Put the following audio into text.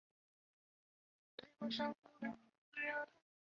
横带刺尾鱼又名条纹刺尾鱼为刺尾鱼科刺尾鱼属的鱼类。